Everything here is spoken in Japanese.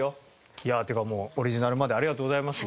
いやもうオリジナルまでありがとうございます。